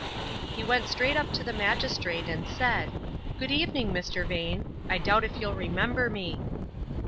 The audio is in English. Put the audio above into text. He went straight up to the magistrate, and said: "Good evening, Mr. Vane; I doubt if you remember me."